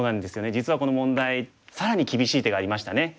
実はこの問題更に厳しい手がありましたね。